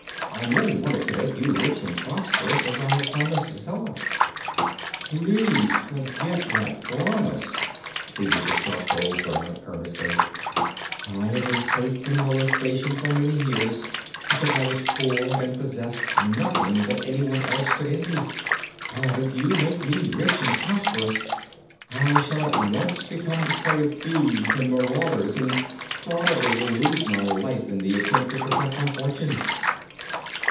I merely wanted to make you rich and prosperous, as I had promised Zella." "Please forget that promise," pleaded the charcoal burner, earnestly; "I have been safe from molestation for many years, because I was poor and possessed nothing that anyone else could envy. But if you make me rich and prosperous I shall at once become the prey of thieves and marauders and probably will lose my life in the attempt to protect my fortune."